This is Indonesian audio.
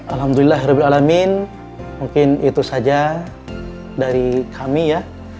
alhamdulillahirrahmanirrahim mungkin itu saja dari kami ya